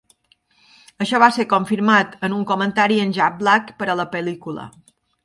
Això va ser confirmat en un comentari amb Jack Black per a la pel.lícula.